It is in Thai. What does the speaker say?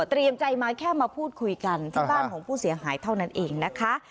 ใจมาแค่มาพูดคุยกันที่บ้านของผู้เสียหายเท่านั้นเองนะคะ